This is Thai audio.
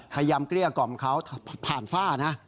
พยายามเกลี้ยกล่อมเขาผ่านฝ้านะ